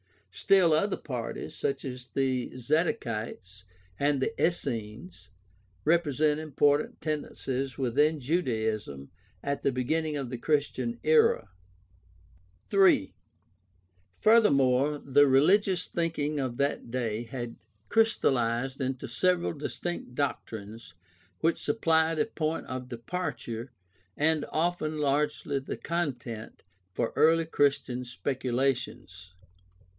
Still other parties, such as the Zadokites and the Essenes, represent important tendencies within Judaism at the beginning of the Chris tian era. 3. Furthermore, the religious thinking of that day had crystalKzed into several distinct doctrines which supplied a point of departure, and often largely the content, for early Christian speculations.